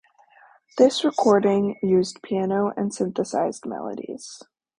This recording used piano and synthesized melodies.